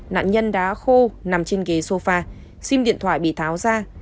nạn nhân đã khô nằm trên ghế sofa sim điện thoại bị tháo ra